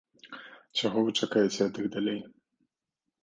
Чаго вы чакаеце ад іх далей?